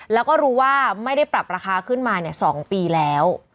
แล้วก็รู้ว่าไม่ได้ปรับราคาขึ้นมา๒ปีแล้ว